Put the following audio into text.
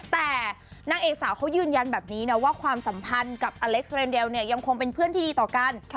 แต่นางเอกสาวเขายืนยันแบบนี้นะว่าความสัมพันธ์กับอเล็กซ์เรนเดลเนี่ยยังคงเป็นเพื่อนที่ดีต่อกัน